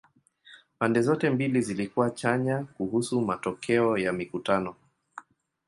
Pande zote mbili zilikuwa chanya kuhusu matokeo ya mikutano.